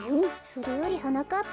それよりはなかっ